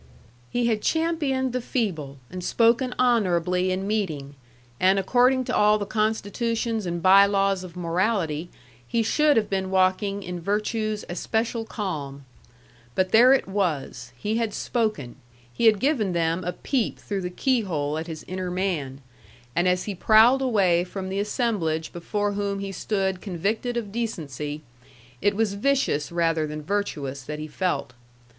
He had championed the feeble, and spoken honorably in meeting, and according to all the constitutions and by laws of morality, he should have been walking in virtue's especial calm. But there it was! he had spoken; he had given them a peep through the key hole at his inner man; and as he prowled away from the assemblage before whom he stood convicted of decency, it was vicious rather than virtuous that he felt.